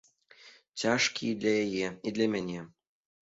Цяжкі і для яе, і для мяне.